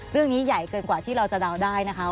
เรื่องนี้ใหญ่เกินกว่าที่เราจะดาวน์ได้นะคะ